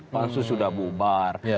pansu sudah bubar